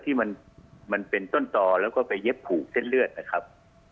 ที่มันเป็นต้นต่อแล้วก็ไปเย็บผูกเส้นเลือดนะครับ